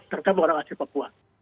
terutama orang asli papua